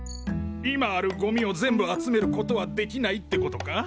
今あるゴミを全部集めることはできないってことか？